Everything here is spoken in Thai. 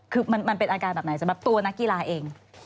คือมันเป็นอาการแบบไหนสำหรับตัวนักกีฬาเอง